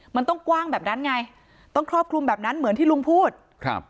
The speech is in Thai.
มันต้องกว้างแบบนั้นไงต้องครอบคลุมแบบนั้นเหมือนที่ลุงพูดครับ